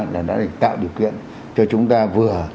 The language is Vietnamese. là đã tạo điều kiện cho chúng ta vừa